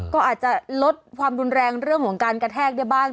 ก็อาจจะลดความรุนแรงเรื่องของการกระแทกได้บ้าง